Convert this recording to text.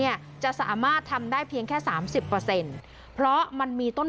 มีประชาชนในพื้นที่เขาถ่ายคลิปเอาไว้ได้ค่ะ